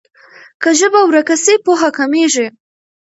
که ژبه ورکه سي پوهه کمېږي.